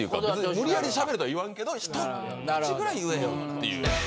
無理やりしゃべれとは言わんけど一口ぐらい言えよっていう。